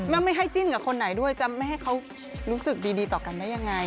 แล้วไม่ให้จิ้นกับคนไหนด้วยจะไม่ให้เขารู้สึกดีต่อกันได้ยังไง